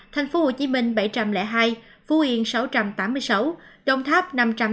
thành phố hồ chí minh bảy trăm linh hai phú yên sáu trăm tám mươi sáu đồng tháp